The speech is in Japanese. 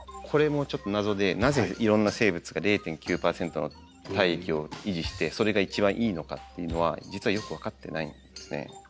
これもちょっと謎でなぜいろんな生物が０．９％の体液を維持してそれが一番いいのかっていうのは実はよく分かってないんですね。